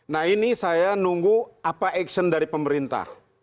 nah ini saya nunggu apa action dari pemerintah